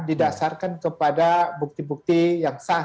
didasarkan kepada bukti bukti yang sah